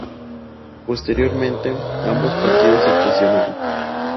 Posteriormente, ambos partidos se fusionaron.